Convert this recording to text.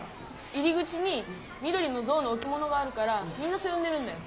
入り口にみどりのゾウのおきものがあるからみんなそうよんでるんだよ。